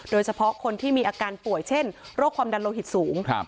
โดยเฉพาะคนที่มีอาการป่วยเช่นโรคความดันโลหิตสูง